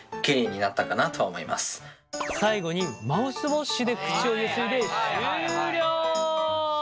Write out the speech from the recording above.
最後にマウスウォッシュで口をゆすいで終了。